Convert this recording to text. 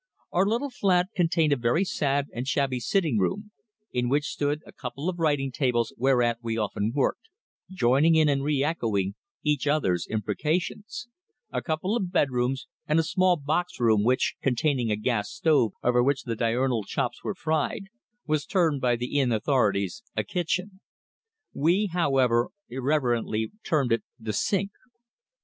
Our little flat contained a very sad and shabby sitting room in which stood a couple of writing tables whereat we often worked, joining in, and re echoing, each other's imprecations a couple of bedrooms and a small box room which, containing a gas stove over which the diurnal chops were fried, was termed by the Inn authorities a kitchen. We, however, irreverently termed it "the sink."